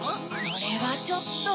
これはちょっと。